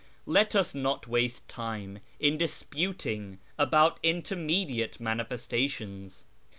Let us not waste time in disputing about intermediate ' manifesta tions.'